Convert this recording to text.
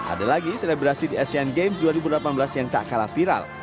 ada lagi selebrasi di asean games dua ribu delapan belas yang tak kalah viral